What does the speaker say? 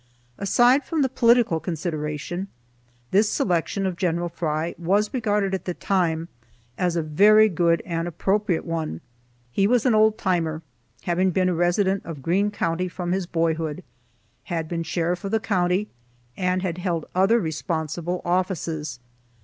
Aside from the political consideration, this selection of Gen. Fry was regarded at the time as a very good and appropriate one. He was an old timer, having been a resident of Greene county from his boyhood, had been sheriff of the county, and had held other responsible offices.